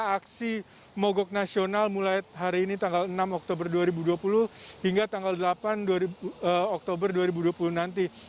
aksi mogok nasional mulai hari ini tanggal enam oktober dua ribu dua puluh hingga tanggal delapan oktober dua ribu dua puluh nanti